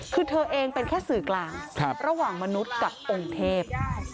คือเธอเองเป็นแค่สื่อกลางระหว่างมนุษย์กับองค์เทพ